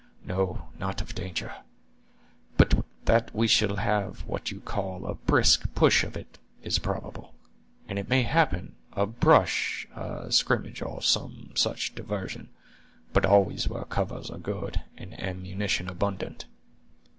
No, not of danger; but that we shall have what you may call a brisk push of it, is probable; and it may happen, a brush, a scrimmage, or some such divarsion, but always where covers are good, and ammunition abundant."